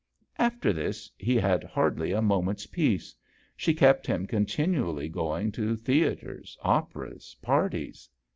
After this he had hardly a moment's peace. She kept him continually going to theatres, operas, parties.